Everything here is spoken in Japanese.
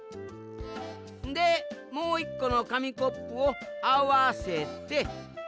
でもう１このかみコップをあわせて。